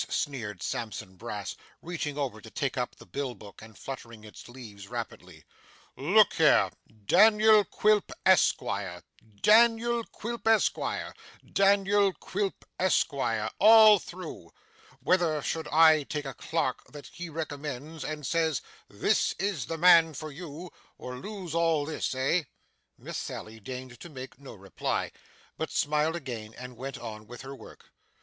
sneered Sampson Brass, reaching over to take up the bill book, and fluttering its leaves rapidly. 'Look here Daniel Quilp, Esquire Daniel Quilp, Esquire Daniel Quilp, Esquire all through. Whether should I take a clerk that he recommends, and says, "this is the man for you," or lose all this, eh?' Miss Sally deigned to make no reply, but smiled again, and went on with her work.